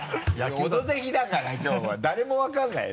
「オドぜひ」だからきょうは誰も分からないよ